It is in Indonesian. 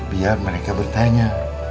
biar mereka bertanya